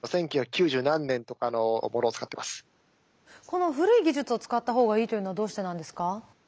この古い技術を使った方がいいというのはどうしてなんですか？